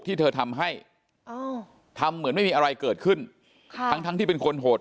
ที่เธอทำให้ทำเหมือนไม่มีอะไรเกิดขึ้นค่ะทั้งทั้งที่เป็นคนโหด